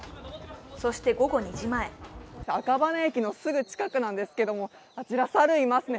そして午後２時前赤羽駅のすぐ近くなんですけど、あちら、猿いますね。